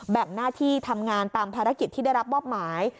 แบ่งหน้าที่ทำงานตามภารกิจที่ได้รับมอบหมาย